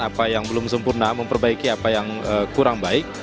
apa yang belum sempurna memperbaiki apa yang kurang baik